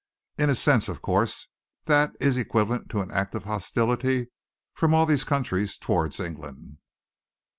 In a sense, of course, that is equivalent to an act of hostility from all these countries towards England.